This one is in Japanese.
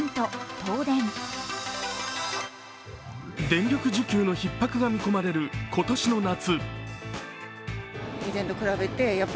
電力需給のひっ迫が見込まれる今年の夏。